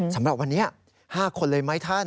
สำหรับวันนี้๕คนเลยไหมท่าน